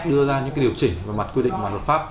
đưa ra những điều chỉnh về mặt quy định mặt luật pháp